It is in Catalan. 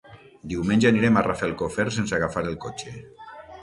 Diumenge anirem a Rafelcofer sense agafar el cotxe.